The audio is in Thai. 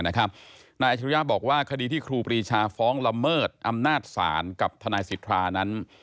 นายอาชิริยะบอกว่าคดีที่ครูปรีชาฟ้องละเมิดอำนาจศาลกับทนายสิทธานั้น